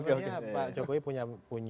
sebenarnya pak jokowi punya